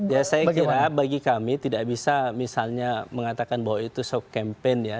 ya saya kira bagi kami tidak bisa misalnya mengatakan bahwa itu soft campaign ya